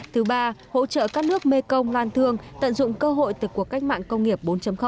thứ ba hỗ trợ các nước mekong lan thương tận dụng cơ hội từ cuộc cách mạng công nghiệp bốn